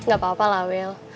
gak apa apa lah wil